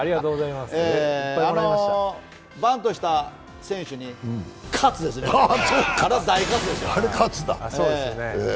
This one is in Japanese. バントした選手に喝ですね、あれは大喝ですよ。